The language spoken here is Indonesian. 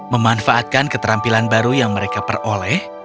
memanfaatkan keterampilan baru yang mereka peroleh